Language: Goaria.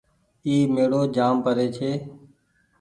اي ميڙو جآم پري ڇي۔